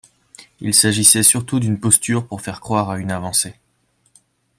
Il s’agissait surtout d’une posture pour faire croire à une avancée.